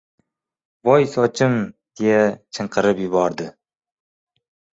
— Voy sochim! — deya chinqirib yig‘ladi.